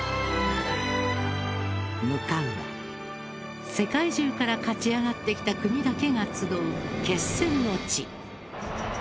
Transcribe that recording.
向かうは、世界中から勝ち上がってきた国だけが集う決戦の地。